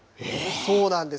そうなんです。